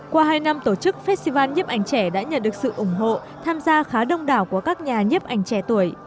qua hai năm tổ chức festival nhếp ảnh trẻ đã nhận được sự ủng hộ tham gia khá đông đảo của các nhà nhiếp ảnh trẻ tuổi